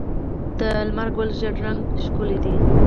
د لمر ګل ژیړ رنګ ښکلی دی.